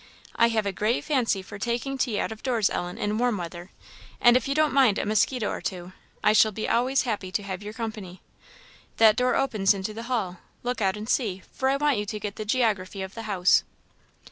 I have a great fancy for taking tea out of doors, Ellen, in warm weather; and if you do not mind a musquito or two, I shall be always happy to have your company. That door opens into the hall; look out and see, for I want you to get the geography of the house.